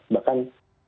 bahkan ada beberapa ekspor